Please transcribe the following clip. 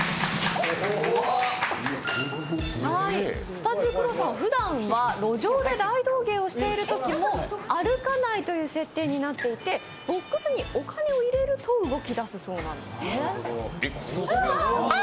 スタチュークロウさん、ふだんは路上で大道芸をしているときも歩かないという設定になっていて、ボックスにお金を入れると動き出すそうなんですね。